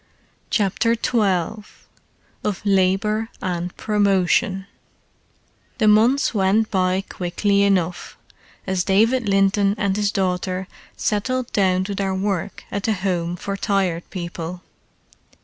CHAPTER XII OF LABOUR AND PROMOTION The months went by quickly enough, as David Linton and his daughter settled down to their work at the Home for Tired People.